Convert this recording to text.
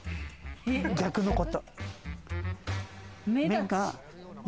逆のこと。